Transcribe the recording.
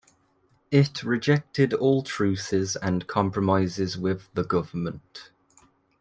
It rejected all truces and compromises with the government.